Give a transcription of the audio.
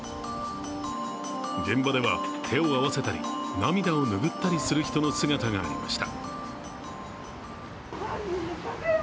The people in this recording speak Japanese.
現場では手を合わせたり涙をぬぐったりする人の姿がありました。